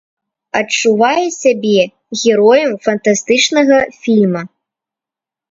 Адчуваю сябе героем фантастычнага фільма.